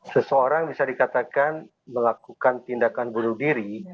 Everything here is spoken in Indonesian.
seseorang bisa dikatakan melakukan tindakan bunuh diri